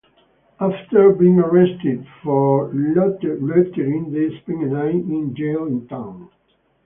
After being arrested for loitering, they spend a night in jail in town.